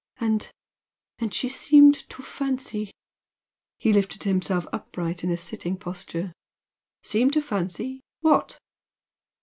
And and she seemed to fancy " He lifted himself upright in a sitting posture. "Seemed to fancy? ... what?